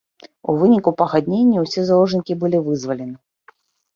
У выніку пагаднення ўсе заложнікі былі вызвалены.